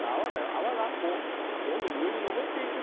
あわがこうどんどんうえにのぼっていくね。